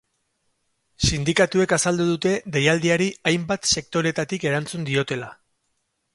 Sindikatuek azaldu dute deialdiari hainbat sektoretatik erantzun diotela.